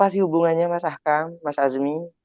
apa sih hubungannya mas azmi